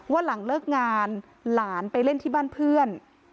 หลังเลิกงานหลานไปเล่นที่บ้านเพื่อน